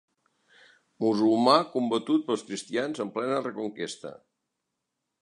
Musulmà combatut pels cristians en plena Reconquesta.